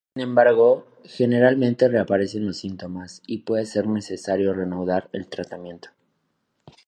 Sin embargo, generalmente reaparecen los síntomas, y puede ser necesario reanudar el tratamiento.